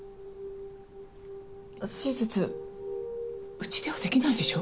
手術うちではできないでしょ？